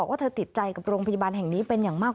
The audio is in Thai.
ว่าเธอติดใจกับโรงพยาบาลแห่งนี้เป็นอย่างมาก